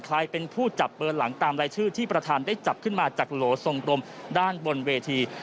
ใครเป็นผู้จับเบอร์หลังตามรายชื่อที่ประธานได้จับขึ้นมาจากโหลทรงกลมด้านบนเวที